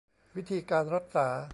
วิธีการรักษา